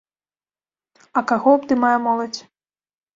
А каго абдымае моладзь?